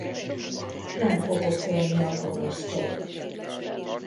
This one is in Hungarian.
Nem fogok félni a gonosztól.